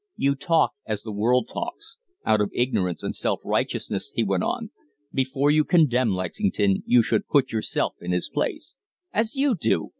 "You talk as the world talks out of ignorance and self righteousness," he went on. "Before you condemn Lexington you should put yourself in his place " "As you do?"